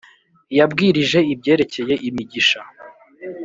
Yabwirije ibyerekeye imigisha .